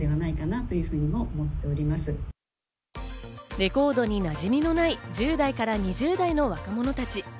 レコードになじみのない１０代から２０代の若者たち。